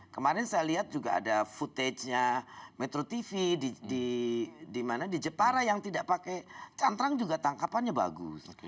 kemarin saya lihat juga ada footage nya metro tv di jepara yang tidak pakai cantrang juga tangkapannya bagus